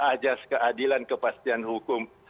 ajas keadilan kepastian hukum